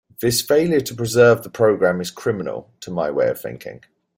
This failure to preserve the program is criminal, to my way of thinking.